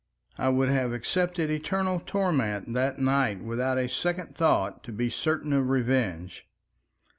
I would have accepted eternal torment that night without a second thought, to be certain of revenge.